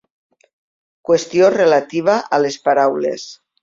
Qüestió relativa a les paraules.